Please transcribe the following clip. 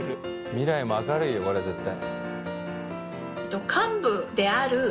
未来も明るいよこれ絶対。